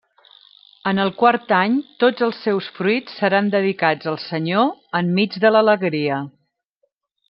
En el quart any tots els seus fruits seran dedicats al Senyor enmig de l'alegria.